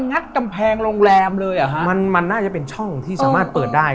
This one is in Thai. งัดกำแพงโรงแรมเลยอ่ะฮะมันมันน่าจะเป็นช่องที่สามารถเปิดได้